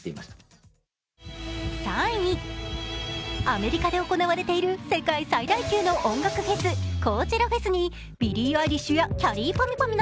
アメリカで行われている世界最大級の音楽フェス、コーチェラ・フェスにビリー・アイリッシュやきゃりーぱみゅぱみ